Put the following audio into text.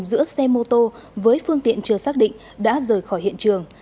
giữa xe mô tô với phương tiện chưa xác định đã rời khỏi hiện trường